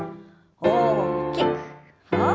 大きく大きく。